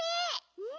うん。